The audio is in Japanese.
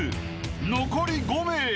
［残り５名］